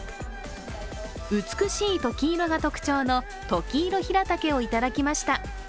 美しいとき色が特徴のトキイロヒラタケをいただきました。